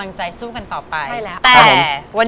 เอาจริงแม๊ย